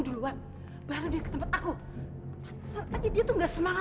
jangan ganggu istri orang lain lagi